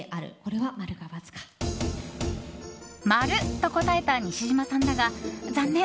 ○と答えた西島さんだが残念。